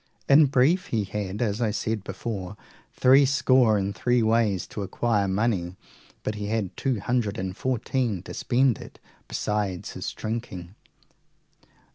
In brief, he had, as I said before, three score and three ways to acquire money, but he had two hundred and fourteen to spend it, besides his drinking.